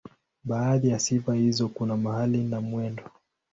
Baadhi ya sifa hizo kuna mahali na mwendo.